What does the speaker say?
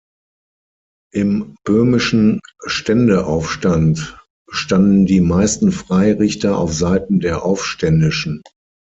Im böhmischen Ständeaufstand standen die meisten Freirichter auf Seiten der Aufständischen.